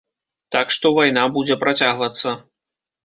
Так што, вайна будзе працягвацца.